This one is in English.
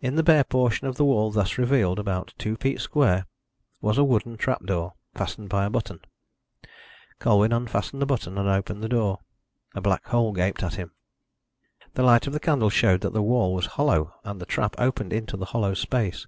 In the bare portion of the wall thus revealed, about two feet square, was a wooden trap door, fastened by a button. Colwyn unfastened the button, and opened the door. A black hole gaped at him. The light of the candle showed that the wall was hollow, and the trap opened into the hollow space.